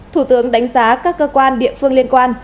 thủ tướng đánh giá các cơ quan địa phương liên quan